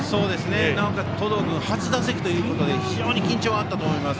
なおかつ、登藤君初打席ということで非常に緊張はあったと思います。